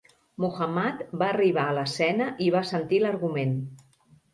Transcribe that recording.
Muhammad va arribar a l'escena i va sentir l'argument.